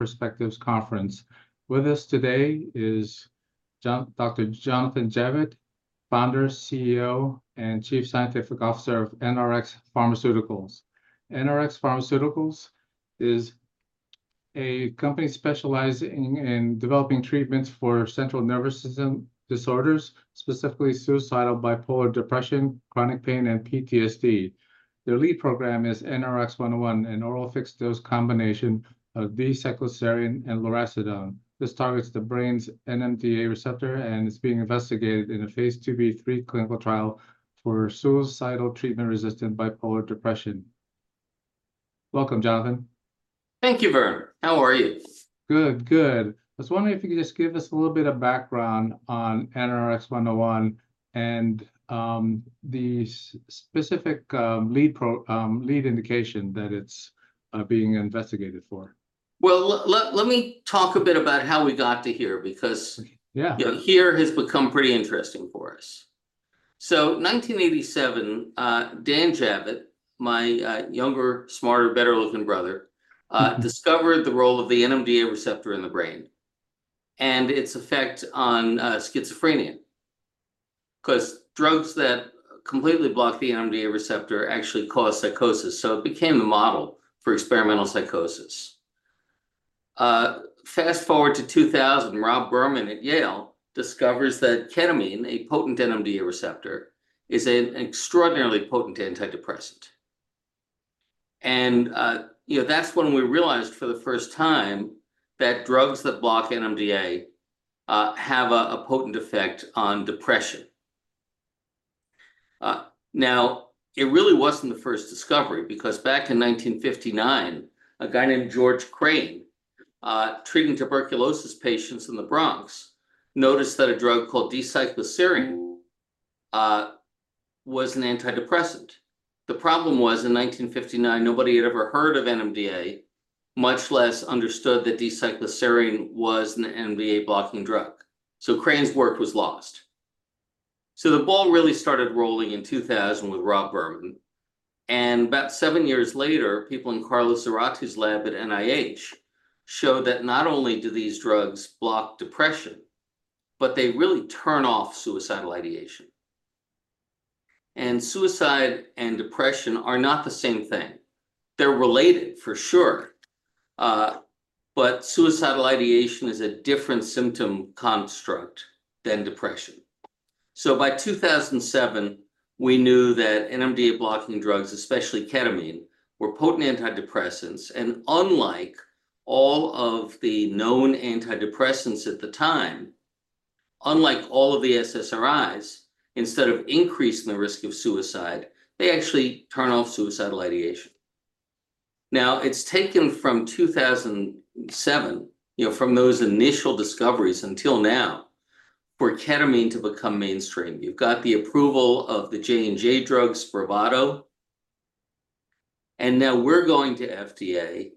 NeuroPerspectives Conference. With us today is Dr. Jonathan Javitt, Founder, CEO, and Chief Scientific Officer of NRx Pharmaceuticals. NRx Pharmaceuticals is a company specializing in developing treatments for central nervous system disorders, specifically suicidal, bipolar depression, chronic pain, and PTSD. Their lead program is NRX-101, an oral fixed-dose combination of D-cycloserine and lurasidone. This targets the brain's NMDA receptor, and it's being investigated in a Phase II, Phase III clinical trial for suicidal treatment-resistant bipolar depression. Welcome, Jonathan. Thank you, Vern. How are you? Good, good. I was wondering if you could just give us a little bit of background on NRX-101 and the specific lead indication that it's being investigated for? Well, let me talk a bit about how we got to here, because here has become pretty interesting for us. So, 1987, Dan Javitt, my younger, smarter, better-looking brother, discovered the role of the NMDA receptor in the brain and its effect on schizophrenia, because drugs that completely block the NMDA receptor actually cause psychosis. So, it became a model for experimental psychosis. Fast forward to 2000, Rob Berman at Yale discovers that ketamine, a potent NMDA receptor, is an extraordinarily potent antidepressant. And that's when we realized for the first time that drugs that block NMDA have a potent effect on depression. Now, it really wasn't the first discovery, because back in 1959, a guy named George Crane, treating tuberculosis patients in the Bronx, noticed that a drug called D-cycloserine was an antidepressant. The problem was, in 1959, nobody had ever heard of NMDA, much less understood that D-cycloserine was an NMDA-blocking drug. So, Crane's work was lost. So, the ball really started rolling in 2000 with Robert Berman. And about seven years later, people in Carlos Zarate's lab at NIH showed that not only do these drugs block depression, but they really turn off suicidal ideation. And suicide and depression are not the same thing. They're related, for sure. But suicidal ideation is a different symptom construct than depression. So, by 2007, we knew that NMDA-blocking drugs, especially ketamine, were potent antidepressants. And unlike all of the known antidepressants at the time, unlike all of the SSRIs, instead of increasing the risk of suicide, they actually turn off suicidal ideation. Now, it's taken from 2007, from those initial discoveries until now, for ketamine to become mainstream. You've got the approval of the Johnson & Johnson drugs, Spravato. And now we're going to FDA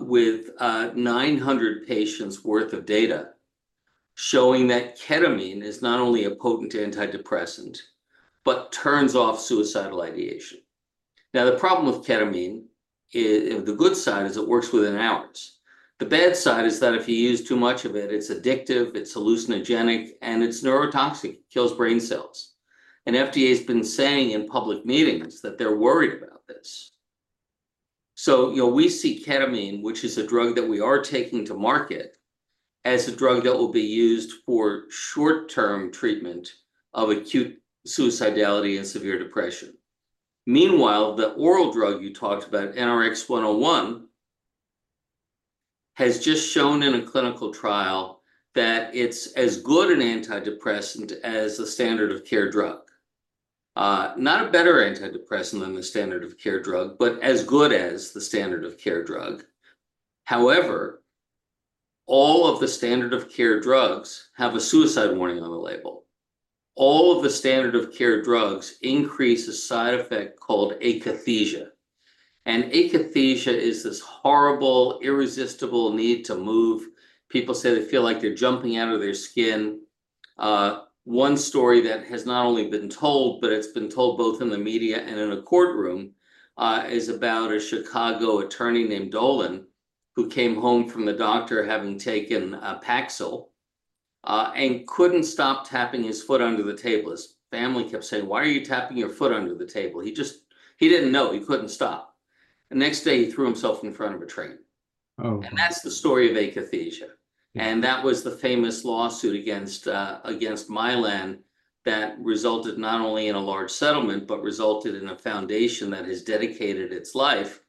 with 900 patients' worth of data showing that ketamine is not only a potent antidepressant, but turns off suicidal ideation. Now, the problem with ketamine, the good side is it works within hours. The bad side is that if you use too much of it, it's addictive, it's hallucinogenic, and it's neurotoxic. It kills brain cells. And FDA has been saying in public meetings that they're worried about this. So, we see ketamine, which is a drug that we are taking to market, as a drug that will be used for short-term treatment of acute suicidality and severe depression. Meanwhile, the oral drug you talked about, NRX-101, has just shown in a clinical trial that it's as good an antidepressant as a standard-of-care drug. Not a better antidepressant than the standard-of-care drug, but as good as the standard-of-care drug. However, all of the standard-of-care drugs have a suicide warning on the label. All of the standard-of-care drugs increase a side effect called akathisia. Akathisia is this horrible, irresistible need to move. People say they feel like they're jumping out of their skin. One story that has not only been told, but it's been told both in the media and in a courtroom, is about a Chicago attorney named Dolin who came home from the doctor having taken Paxil and couldn't stop tapping his foot under the table. His family kept saying, "Why are you tapping your foot under the table?" He didn't know. He couldn't stop. The next day, he threw himself in front of a train. That's the story of akathisia. And that was the famous lawsuit against Mylan that resulted not only in a large settlement, but resulted in a foundation that has dedicated its life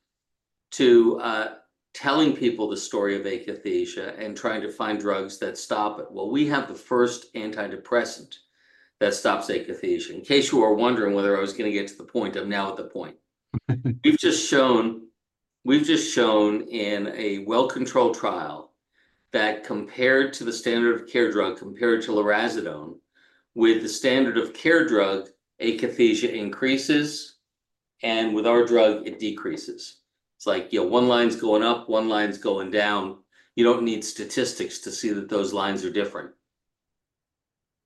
to telling people the story of akathisia and trying to find drugs that stop it. Well, we have the first antidepressant that stops akathisia. In case you were wondering whether I was going to get to the point, I'm now at the point. We've just shown in a well-controlled trial that compared to the standard-of-care drug, compared to lurasidone, with the standard-of-care drug, akathisia increases, and with our drug, it decreases. It's like one line's going up, one line's going down. You don't need statistics to see that those lines are different.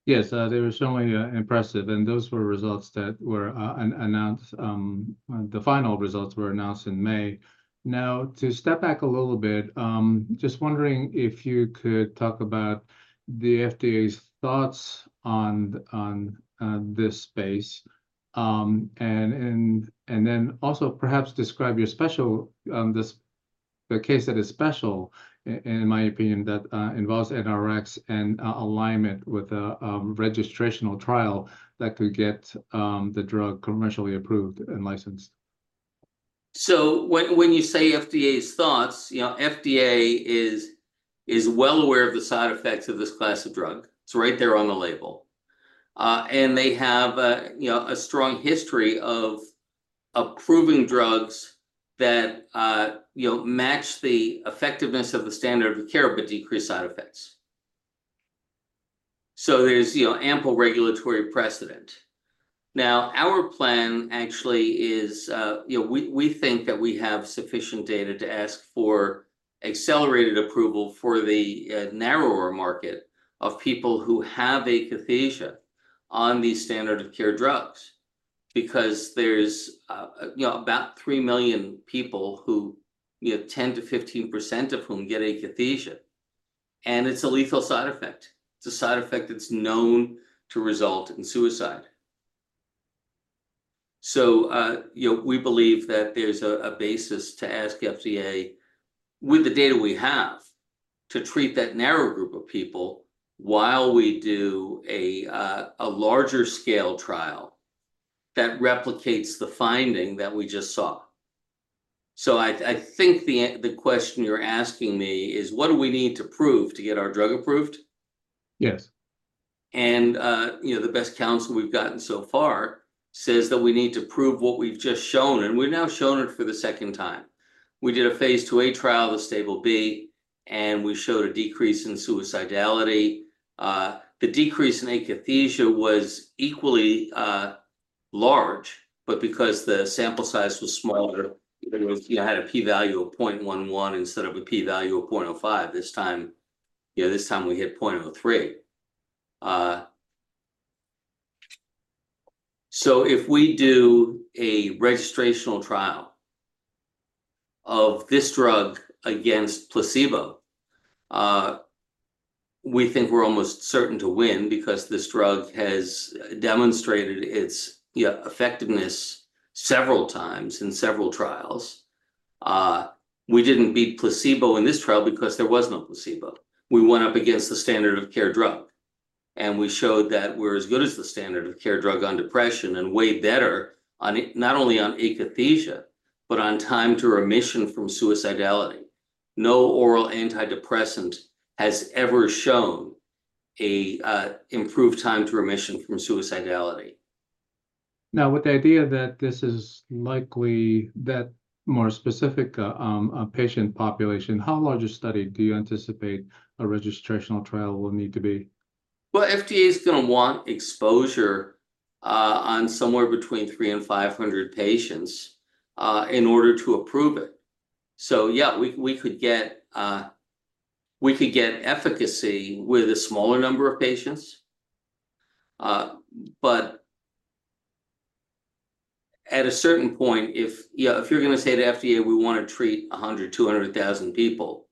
Yes, they were certainly impressive. Those were results that were announced. The final results were announced in May. Now, to step back a little bit, just wondering if you could talk about the FDA's thoughts on this space. Then also perhaps describe the case that is special, in my opinion, that involves NRx and alignment with a registrational trial that could get the drug commercially approved and licensed. So, when you say FDA's thoughts, FDA is well aware of the side effects of this class of drug. It's right there on the label. And they have a strong history of approving drugs that match the effectiveness of the standard-of-care, but decrease side effects. So, there's ample regulatory precedent. Now, our plan actually is we think that we have sufficient data to ask for accelerated approval for the narrower market of people who have akathisia on these standard-of-care drugs, because there's about three million people, 10%-15% of whom get akathisia. And it's a lethal side effect. It's a side effect that's known to result in suicide. So, we believe that there's a basis to ask FDA, with the data we have, to treat that narrow group of people while we do a larger-scale trial that replicates the finding that we just saw. I think the question you're asking me is, what do we need to prove to get our drug approved? Yes. The best counsel we've gotten so far says that we need to prove what we've just shown. We've now shown it for the second time. We did a phase II, phase III trial of the Stabil-B, and we showed a decrease in suicidality. The decrease in akathisia was equally large, but because the sample size was smaller, it had a p-value of 0.11 instead of a p-value of 0.05. This time, we hit 0.03. So, if we do a registrational trial of this drug against placebo, we think we're almost certain to win, because this drug has demonstrated its effectiveness several times in several trials. We didn't beat placebo in this trial because there was no placebo. We went up against the standard-of-care drug. We showed that we're as good as the standard-of-care drug on depression and way better, not only on akathisia, but on time to remission from suicidality. No oral antidepressant has ever shown an improved time to remission from suicidality. Now, with the idea that this is likely that more specific patient population, how large a study do you anticipate a registrational trial will need to be? Well, FDA's going to want exposure on somewhere between 300-500 patients in order to approve it. So, yeah, we could get efficacy with a smaller number of patients. But at a certain point, if you're going to say to FDA, "We want to treat 100,000-200,000 people,"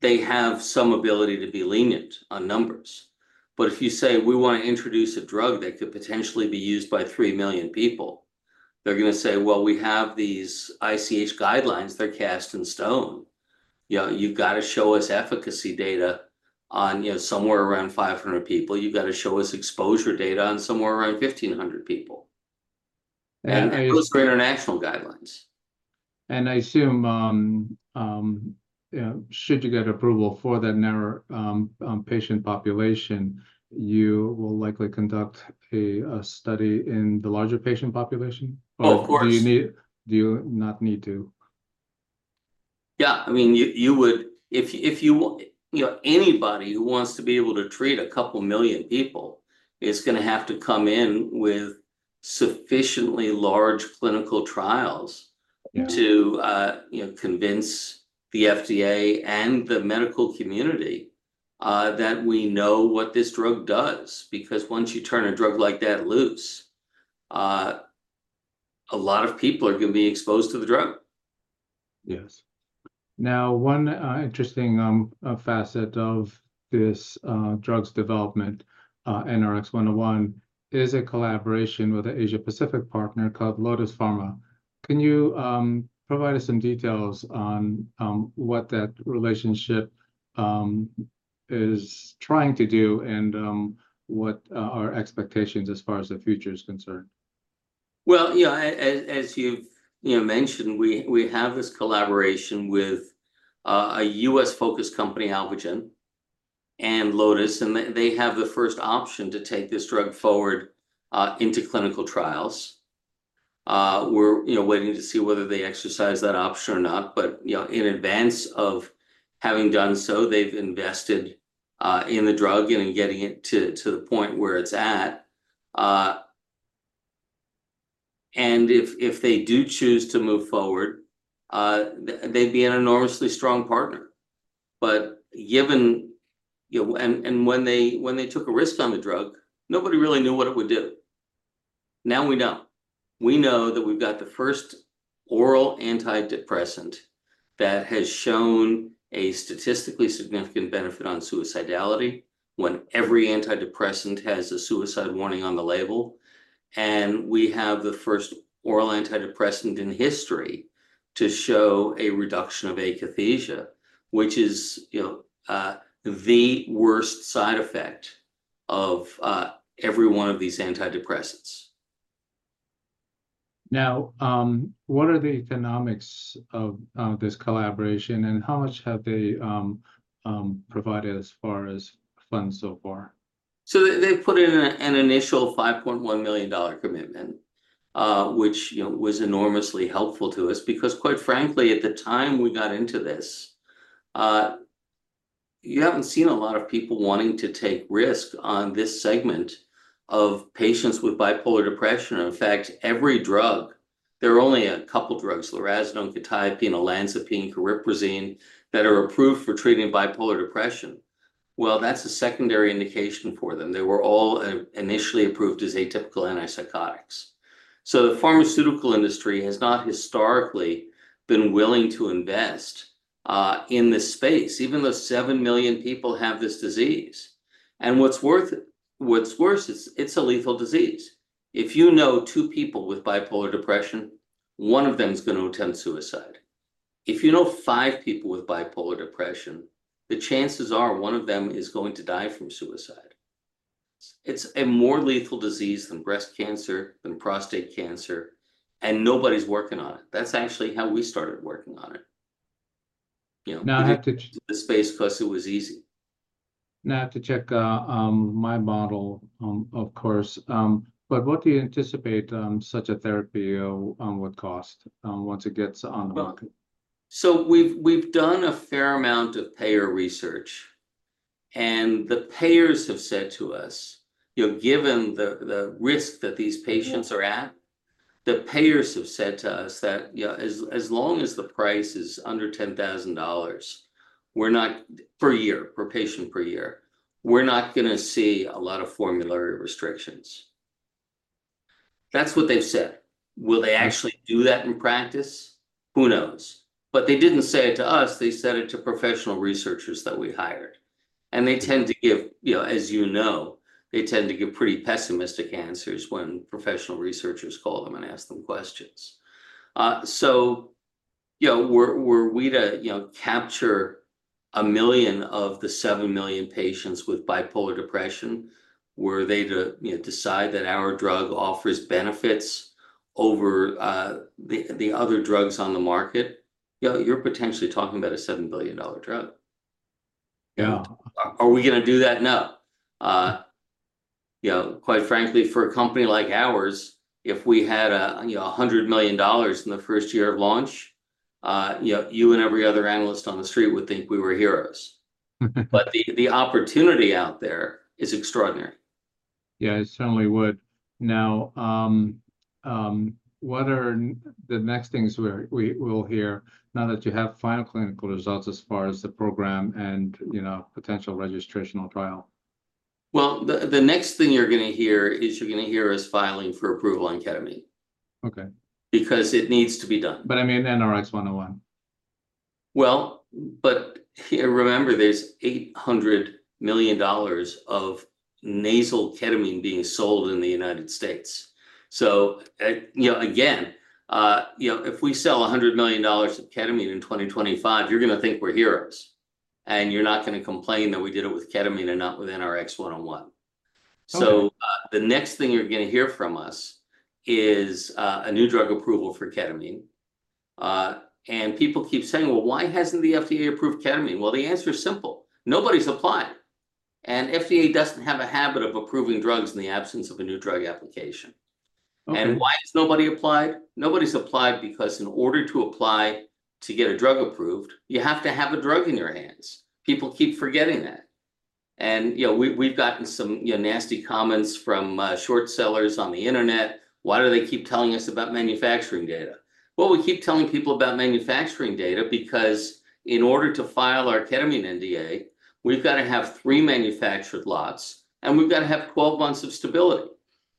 they have some ability to be lenient on numbers. But if you say, "We want to introduce a drug that could potentially be used by three million people," they're going to say, "Well, we have these ICH guidelines. They're cast in stone. You've got to show us efficacy data on somewhere around 500 people. You've got to show us exposure data on somewhere around 1,500 people." And those are international guidelines. I assume, should you get approval for that narrow patient population, you will likely conduct a study in the larger patient population? Of course. Or do you not need to? Yeah. I mean, if anybody who wants to be able to treat two million people, it's going to have to come in with sufficiently large clinical trials to convince the FDA and the medical community that we know what this drug does, because once you turn a drug like that loose, a lot of people are going to be exposed to the drug. Yes. Now, one interesting facet of this drug's development, NRX-101, is a collaboration with an Asia-Pacific partner called Lotus Pharma. Can you provide us some details on what that relationship is trying to do and what are our expectations as far as the future is concerned? Well, yeah, as you've mentioned, we have this collaboration with a U.S.-focused company, Alvogen, and Lotus. They have the first option to take this drug forward into clinical trials. We're waiting to see whether they exercise that option or not. In advance of having done so, they've invested in the drug and in getting it to the point where it's at. If they do choose to move forward, they'd be an enormously strong partner. When they took a risk on the drug, nobody really knew what it would do. Now we know. We know that we've got the first oral antidepressant that has shown a statistically significant benefit on suicidality when every antidepressant has a suicide warning on the label. We have the first oral antidepressant in history to show a reduction of akathisia, which is the worst side effect of every one of these antidepressants. Now, what are the economics of this collaboration, and how much have they provided as far as funds so far? So, they've put in an initial $5.1 million commitment, which was enormously helpful to us, because quite frankly, at the time we got into this, you haven't seen a lot of people wanting to take risk on this segment of patients with bipolar depression. In fact, there are only a couple of drugs, lurasidone, quetiapine, olanzapine, cariprazine, that are approved for treating bipolar depression. Well, that's a secondary indication for them. They were all initially approved as atypical antipsychotics. So, the pharmaceutical industry has not historically been willing to invest in this space, even though seven million people have this disease. And what's worse is it's a lethal disease. If you know two people with bipolar depression, one of them is going to attempt suicide. If you know five people with bipolar depression, the chances are one of them is going to die from suicide. It's a more lethal disease than breast cancer, than prostate cancer, and nobody's working on it. That's actually how we started working on it. Now, I have to. In the space because it was easy. Now, I have to check my bottle, of course. But what do you anticipate such a therapy would cost once it gets on the market? So, we've done a fair amount of payer research. The payers have said to us, given the risk that these patients are at, the payers have said to us that as long as the price is under $10,000 per patient per year, we're not going to see a lot of formulary restrictions. That's what they've said. Will they actually do that in practice? Who knows? They didn't say it to us. They said it to professional researchers that we hired. They tend to give, as you know, they tend to give pretty pessimistic answers when professional researchers call them and ask them questions. Were we to capture one million of the seven million patients with bipolar depression? Were they to decide that our drug offers benefits over the other drugs on the market? You're potentially talking about a $7 billion drug. Yeah. Are we going to do that? No. Quite frankly, for a company like ours, if we had $100 million in the first year of launch, you and every other analyst on the street would think we were heroes. But the opportunity out there is extraordinary. Yeah, it certainly would. Now, what are the next things we'll hear now that you have final clinical results as far as the program and potential registrational trial? Well, the next thing you're going to hear is you're going to hear us filing for approval on ketamine. Okay. Because it needs to be done. But I mean NRX-101. Well, but remember, there's $800 million of nasal ketamine being sold in the United States. So, again, if we sell $100 million of ketamine in 2025, you're going to think we're heroes. And you're not going to complain that we did it with ketamine and not with NRx 101. So, the next thing you're going to hear from us is a new drug approval for ketamine. And people keep saying, "Well, why hasn't the FDA approved ketamine?" Well, the answer is simple. Nobody's applied. And FDA doesn't have a habit of approving drugs in the absence of a New Drug Application. And why has nobody applied? Nobody's applied because in order to apply to get a drug approved, you have to have a drug in your hands. People keep forgetting that. And we've gotten some nasty comments from short sellers on the internet. Why do they keep telling us about manufacturing data? Well, we keep telling people about manufacturing data because in order to file our ketamine NDA, we've got to have 3 manufactured lots, and we've got to have 12 months of stability.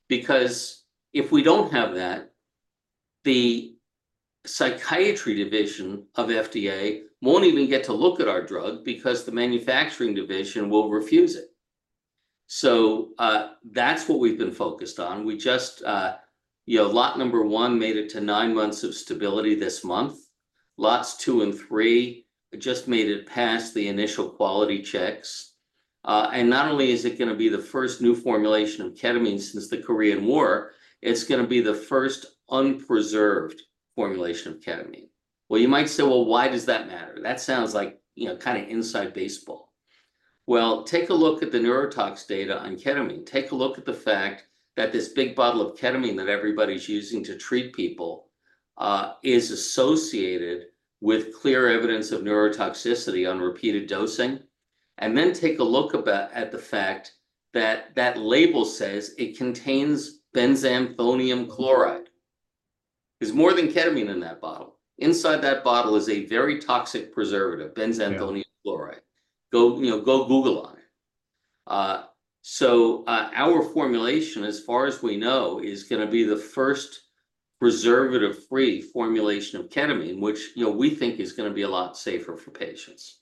Because if we don't have that, the psychiatry division of FDA won't even get to look at our drug because the manufacturing division will refuse it. So, that's what we've been focused on. Lot number 1 made it to 9 months of stability this month. Lots 2 and 3 just made it past the initial quality checks. And not only is it going to be the first new formulation of ketamine since the Korean War, it's going to be the first unpreserved formulation of ketamine. Well, you might say, "Well, why does that matter?" That sounds like kind of inside baseball. Well, take a look at the neurotoxicity data on ketamine. Take a look at the fact that this big bottle of ketamine that everybody's using to treat people is associated with clear evidence of neurotoxicity on repeated dosing. And then take a look at the fact that that label says it contains benzethonium chloride. There's more than ketamine in that bottle. Inside that bottle is a very toxic preservative, benzethonium chloride. Go Google on it. So, our formulation, as far as we know, is going to be the first preservative-free formulation of ketamine, which we think is going to be a lot safer for patients.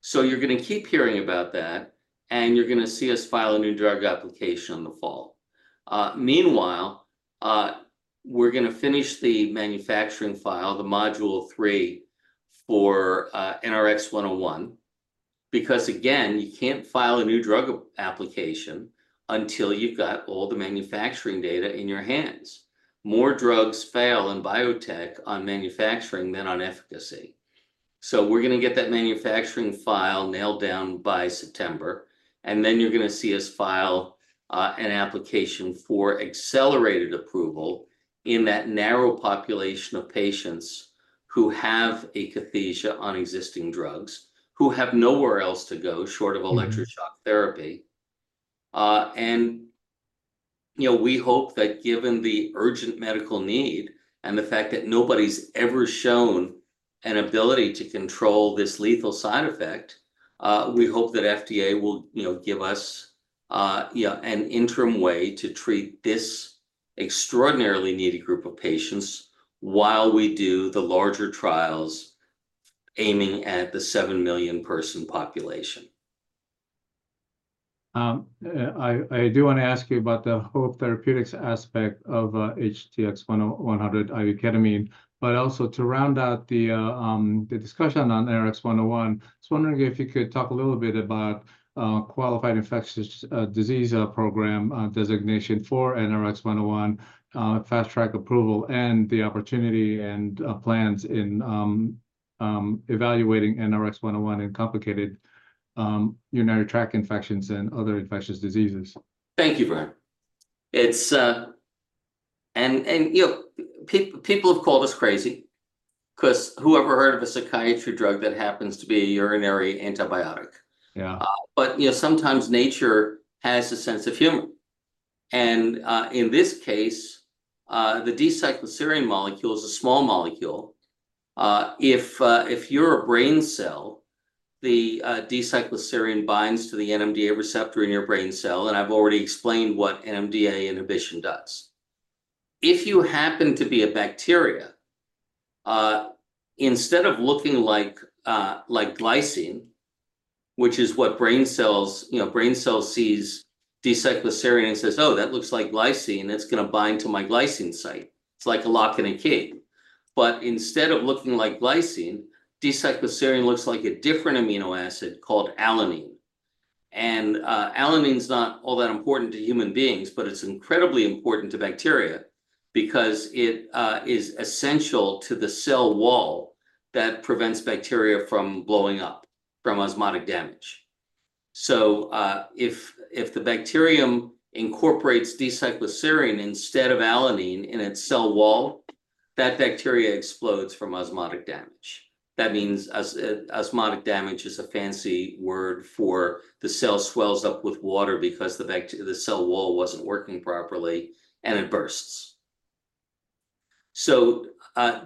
So, you're going to keep hearing about that, and you're going to see us file a New Drug Application in the fall. Meanwhile, we're going to finish the manufacturing file, the Module 3 for NRX-101, because again, you can't file a new drug application until you've got all the manufacturing data in your hands. More drugs fail in biotech on manufacturing than on efficacy. So, we're going to get that manufacturing file nailed down by September. And then you're going to see us file an application for accelerated approval in that narrow population of patients who have akathisia on existing drugs, who have nowhere else to go short of electroshock therapy. And we hope that given the urgent medical need and the fact that nobody's ever shown an ability to control this lethal side effect, we hope that FDA will give us an interim way to treat this extraordinarily needy group of patients while we do the larger trials aiming at the 7 million person population. I do want to ask you about the whole therapeutics aspect of NRX-100, i.e., ketamine. But also to round out the discussion on NRX-101, I was wondering if you could talk a little bit about Qualified Infectious Disease Product designation for NRX-101, fast track approval, and the opportunity and plans in evaluating NRX-101 and complicated urinary tract infections and other infectious diseases. Thank you for that. People have called us crazy because whoever heard of a psychiatry drug that happens to be a urinary antibiotic. Yeah. But sometimes nature has a sense of humor. And in this case, the D-cycloserine molecule is a small molecule. If you're a brain cell, the D-cycloserine binds to the NMDA receptor in your brain cell, and I've already explained what NMDA inhibition does. If you happen to be a bacteria, instead of looking like glycine, which is what brain cells see D-cycloserine and says, "Oh, that looks like glycine. It's going to bind to my glycine site." It's like a lock and a key. But instead of looking like glycine, D-cycloserine looks like a different amino acid called alanine. And alanine is not all that important to human beings, but it's incredibly important to bacteria because it is essential to the cell wall that prevents bacteria from blowing up from osmotic damage. So, if the bacterium incorporates D-cycloserine instead of alanine in its cell wall, that bacteria explodes from osmotic damage. That means osmotic damage is a fancy word for the cell swells up with water because the cell wall wasn't working properly, and it bursts. So,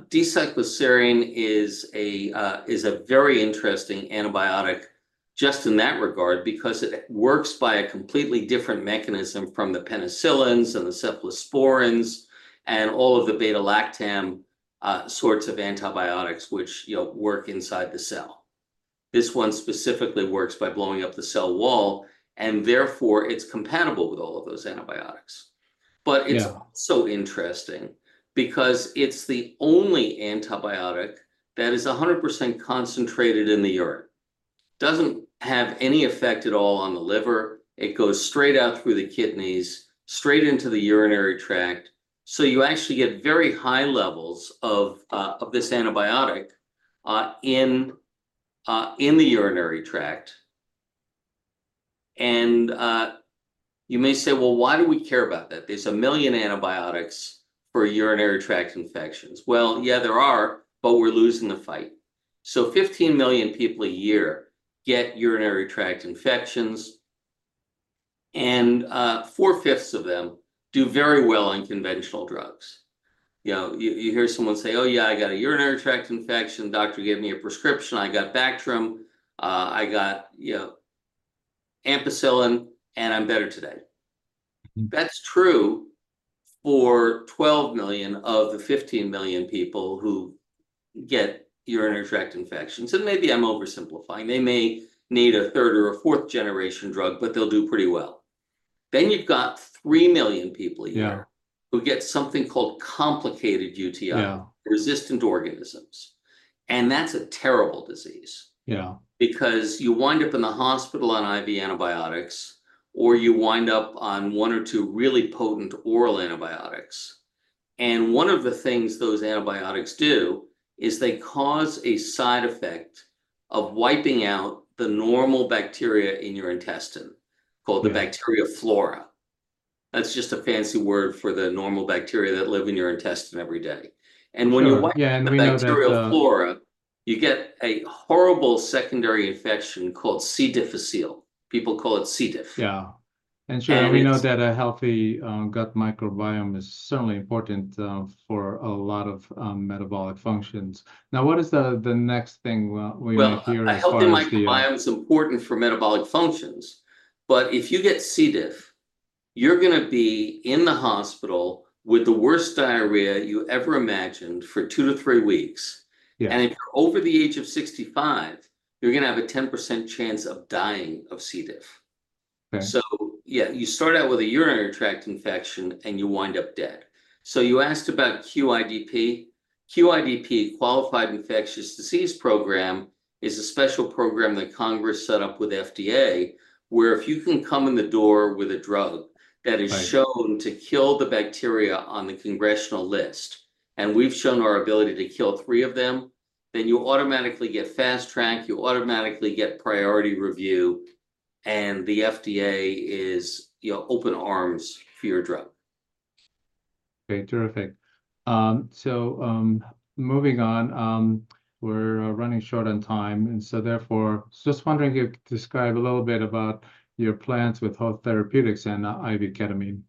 D-cycloserine is a very interesting antibiotic just in that regard because it works by a completely different mechanism from the penicillins and the cephalosporins and all of the beta-lactam sorts of antibiotics which work inside the cell. This one specifically works by blowing up the cell wall, and therefore it's compatible with all of those antibiotics. But it's also interesting because it's the only antibiotic that is 100% concentrated in the urine. Doesn't have any effect at all on the liver. It goes straight out through the kidneys, straight into the urinary tract. So, you actually get very high levels of this antibiotic in the urinary tract. And you may say, "Well, why do we care about that? There's 1 million antibiotics for urinary tract infections." Well, yeah, there are, but we're losing the fight. So, 15 million people a year get urinary tract infections, and four-fifths of them do very well on conventional drugs. You hear someone say, "Oh, yeah, I got a urinary tract infection. Doctor gave me a prescription. I got Bactrim. I got ampicillin, and I'm better today." That's true for 12 million of the 15 million people who get urinary tract infections. And maybe I'm oversimplifying. They may need a third or a fourth generation drug, but they'll do pretty well. Then you've got three million people a year who get something called complicated UTI, resistant organisms. And that's a terrible disease. Yeah. Because you wind up in the hospital on IV antibiotics, or you wind up on one or two really potent oral antibiotics. One of the things those antibiotics do is they cause a side effect of wiping out the normal bacteria in your intestine called the bacteria flora. That's just a fancy word for the normal bacteria that live in your intestine every day. When you're wiping out the bacteria flora, you get a horrible secondary infection called C. difficile. People call it C. diff. Yeah. Sure, we know that a healthy gut microbiome is certainly important for a lot of metabolic functions. Now, what is the next thing we want to hear as far as? Well, a healthy microbiome is important for metabolic functions. But if you get C. diff, you're going to be in the hospital with the worst diarrhea you ever imagined for 2 to 3 weeks. And if you're over the age of 65, you're going to have a 10% chance of dying of C. diff. So, yeah, you start out with a urinary tract infection, and you wind up dead. So, you asked about QIDP. QIDP, Qualified Infectious Disease Product, is a special program that Congress set up with FDA where if you can come in the door with a drug that is shown to kill the bacteria on the congressional list, and we've shown our ability to kill three of them, then you automatically get fast track. You automatically get priority review. And the FDA is open arms for your drug. Okay, terrific. So, moving on, we're running short on time. And so, therefore, just wondering if you could describe a little bit about your plans with HOPE Therapeutics and IV ketamine?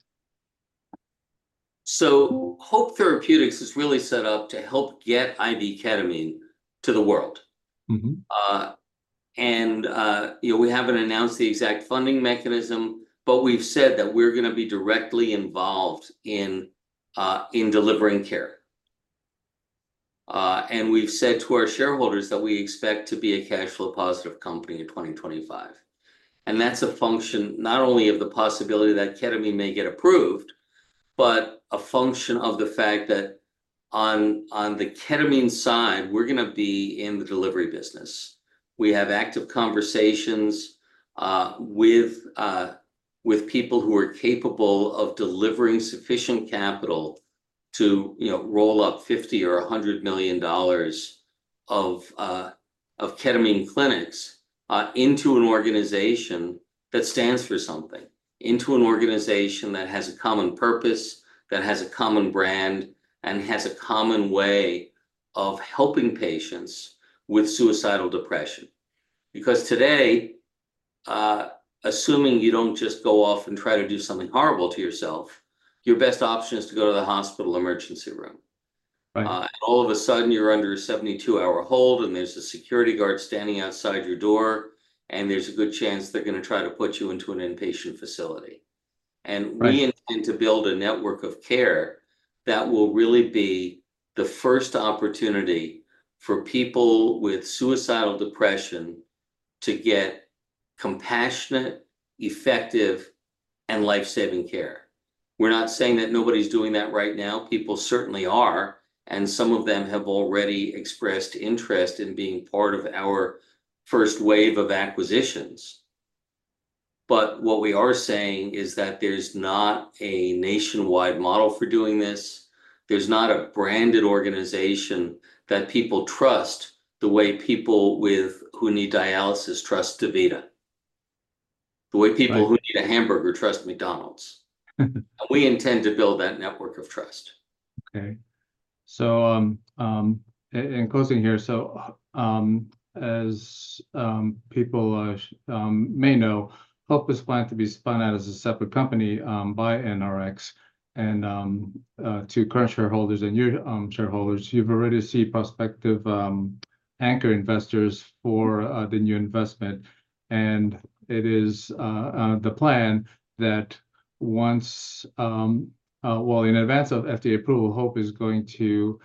So, HOPE Therapeutics is really set up to help get IV ketamine to the world. And we haven't announced the exact funding mechanism, but we've said that we're going to be directly involved in delivering care. And we've said to our shareholders that we expect to be a cash flow positive company in 2025. And that's a function not only of the possibility that ketamine may get approved, but a function of the fact that on the ketamine side, we're going to be in the delivery business. We have active conversations with people who are capable of delivering sufficient capital to roll up $50 million or $100 million of ketamine clinics into an organization that stands for something, into an organization that has a common purpose, that has a common brand, and has a common way of helping patients with suicidal depression. Because today, assuming you don't just go off and try to do something horrible to yourself, your best option is to go to the hospital emergency room. All of a sudden, you're under a 72-hour hold, and there's a security guard standing outside your door, and there's a good chance they're going to try to put you into an inpatient facility. We intend to build a network of care that will really be the first opportunity for people with suicidal depression to get compassionate, effective, and lifesaving care. We're not saying that nobody's doing that right now. People certainly are. Some of them have already expressed interest in being part of our first wave of acquisitions. But what we are saying is that there's not a nationwide model for doing this. There's not a branded organization that people trust the way people who need dialysis trust DaVita. The way people who need a hamburger trust McDonald’s. We intend to build that network of trust. Okay. So, in closing here, so as people may know, HOPE is planned to be spun out as a separate company by NRx to current shareholders and your shareholders. You've already seen prospective anchor investors for the new investment. And it is the plan that once, well, in advance of FDA approval, HOPE is going to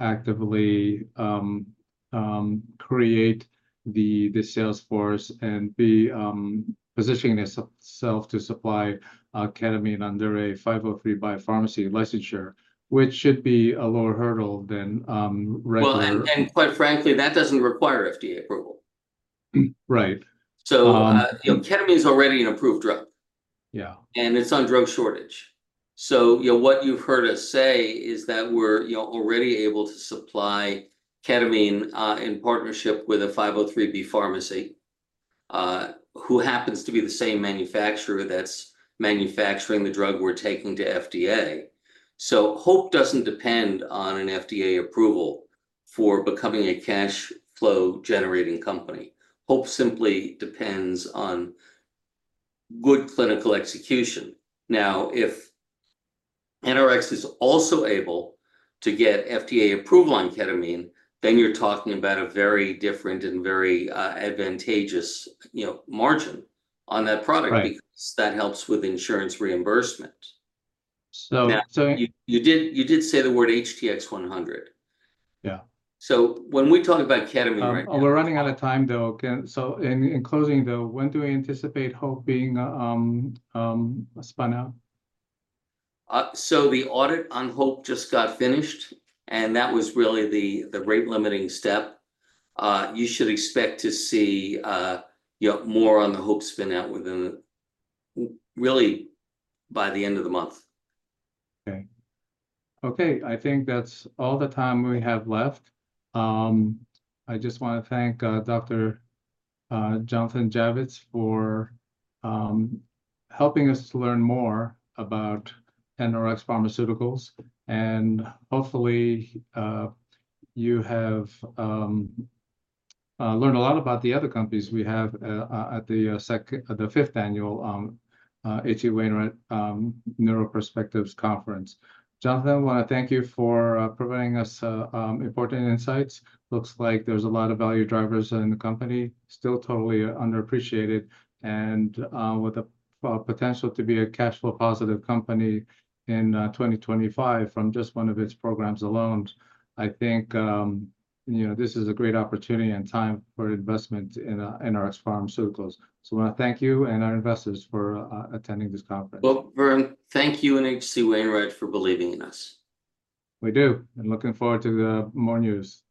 actively create the sales force and be positioning itself to supply ketamine under a 503(b) pharmacy licensure, which should be a lower hurdle than regular. Well, quite frankly, that doesn't require FDA approval. Right. Ketamine is already an approved drug. Yeah. It's on drug shortage. So, what you've heard us say is that we're already able to supply ketamine in partnership with a 503(b) pharmacy who happens to be the same manufacturer that's manufacturing the drug we're taking to FDA. So, HOPE doesn't depend on an FDA approval for becoming a cash flow generating company. HOPE simply depends on good clinical execution. Now, if NRx is also able to get FDA approval on ketamine, then you're talking about a very different and very advantageous margin on that product because that helps with insurance reimbursement. So. You did say the word NRX-100. Yeah. When we talk about ketamine right now. We're running out of time, though. So, in closing, though, when do we anticipate HOPE being spun out? The audit on HOPE just got finished, and that was really the rate limiting step. You should expect to see more on the HOPE spin-out within really by the end of the month. Okay. Okay. I think that's all the time we have left. I just want to thank Dr. Jonathan Javitt for helping us to learn more about NRx Pharmaceuticals. Hopefully, you have learned a lot about the other companies we have at the fifth annual H.C. Wainwright NeuroPerspectives Conference. Jonathan, I want to thank you for providing us important insights. Looks like there's a lot of value drivers in the company still totally underappreciated and with the potential to be a cash flow positive company in 2025 from just one of its programs alone. I think this is a great opportunity and time for investment in NRx Pharmaceuticals. I want to thank you and our investors for attending this conference. Well, Vern, thank you and H.C. Wainwright for believing in us. We do. Looking forward to more news.